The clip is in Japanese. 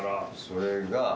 それが。